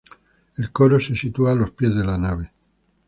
El coro se sitúa a los pies de la nave.